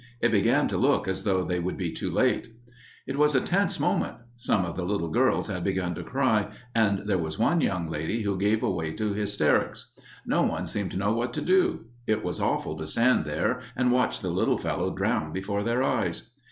It began to look as though they would be too late. It was a tense moment. Some of the little girls had begun to cry, and there was one young lady who gave way to hysterics. No one seemed to know what to do. It was awful to stand there and watch the little fellow drown before their eyes.